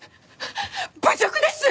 侮辱です！